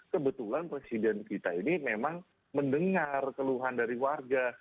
kebetulan presiden kita ini memang mendengar keluhan dari warga